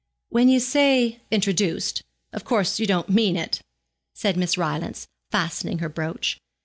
'When you say introduced, of course you don't mean it,' said Miss Rylance, fastening her brooch.